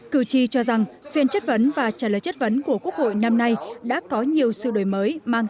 cử tri cho rằng phiên chất vấn và trả lời chất vấn của quốc hội năm nay đã có nhiều sự đổi mới mang